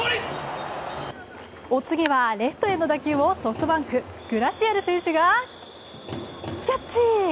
お次はレフトへの打球をソフトバンクグラシアル選手がキャッチ！